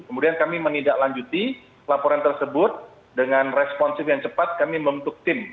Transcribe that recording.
kemudian kami menindaklanjuti laporan tersebut dengan responsif yang cepat kami membentuk tim